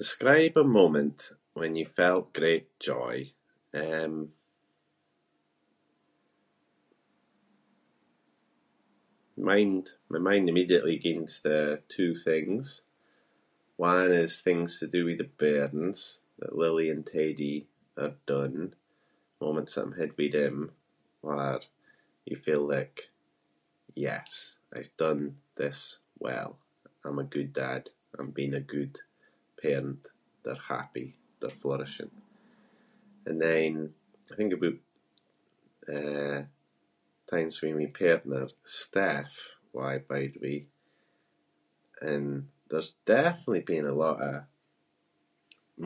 Describe a moment when you felt great joy. Um, mind- my mind immediately gings to two things. One is things to do with the bairns, that Lily and Teddy are done moments that I’m had with them where- you feel like- yes- I’ve done this well, I’m a good dad, I’m being a good parent. They’re happy, they’re flourishing. And then- I think it would, eh, times with my partner, Steph who I bide with and there’s definitely been a lot of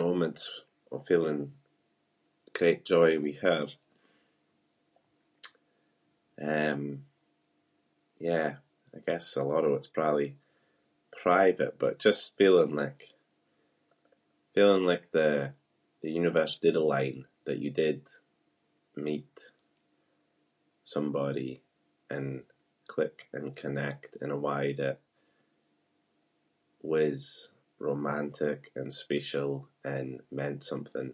moments of feeling great joy with her. Um, yeah, I guess a lot of it’s braaly private but just feeling like- feeling like the- the universe did align, that you did meet somebody and click and connect in a way that was romantic and special and meant something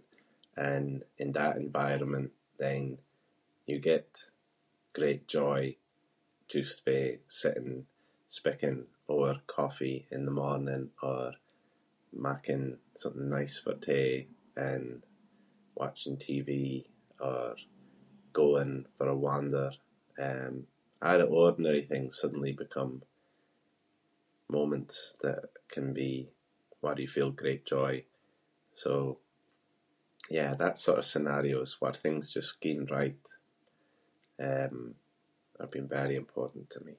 and in that environment then you get great joy just by sitting speaking over coffee in the morning or making something nice for tea and watching TV or going for a wander. Um, a’ the ordinary things suddenly become moments that can be where you feel great joy. So, yeah, that sort of scenarios where things just ging right, um, are been very important to me.